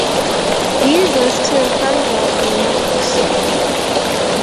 Lily goes to the front door and knocks.